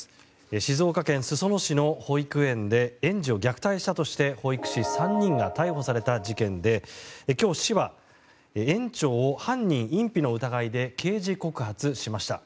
静岡県裾野市の保育園で園児を虐待したとして保育士３人が逮捕された事件で今日、市は園長を犯人隠避の疑いで刑事告発しました。